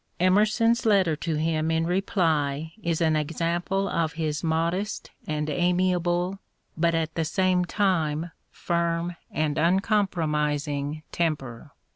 Emerson's letter to him in reply is an example of his modest and amiable, but at the same time firm and uncompromising temper.